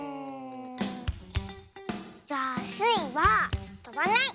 じゃあスイはとばない！